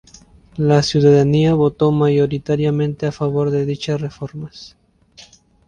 La ciudadanía votó mayoritariamente a favor de dichas reformas.